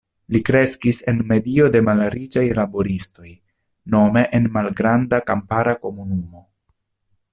Li kreskis en medio de malriĉaj laboristoj, nome en malgranda kampara komunumo.